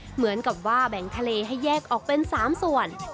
เหมือนกับว่าแบ่งทะเลให้แยกออกเป็น๓ส่วน